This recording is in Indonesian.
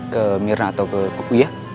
ke mirna atau ke kuku ya